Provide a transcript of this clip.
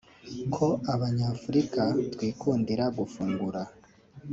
ko Abanyafurika twikundira gufungura